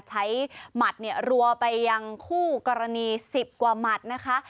หมัดเนี่ยรัวไปยังคู่กรณี๑๐กว่าหมัดนะคะ